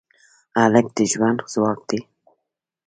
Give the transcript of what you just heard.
هلک د ژوند ځواک دی.